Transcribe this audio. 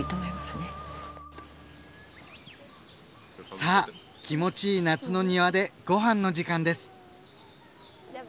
さぁ気持ちいい夏の庭でご飯の時間です！